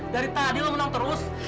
dari tadi lu menang terus